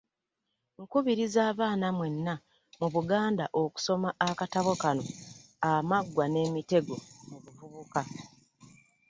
Nkubiriza abaana mwenna mu Buganda okusoma akatabo kano Amaggwa n'Emitego mu Buvubuka.